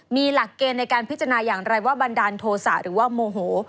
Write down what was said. มีหลักเกณฑ์ในการพิจารณาอย่างไรว่าบันดาลโทษะหรือว่าโมโห